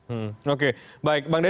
penunjukan ini kemudian membuat